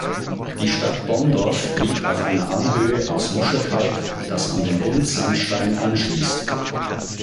Die Stadt Bonndorf liegt auf einer Anhöhe aus Muschelkalk das an den Buntsandstein anschließt.